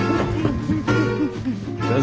先生。